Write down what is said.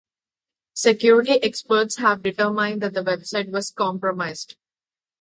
Security experts have determined that the website was compromised.